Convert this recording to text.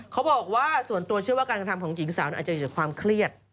เขาบอกว่าส่วนตัวเชื่อว่าการกระทำของหญิงสาวอาจจะเกิดจากความเครียด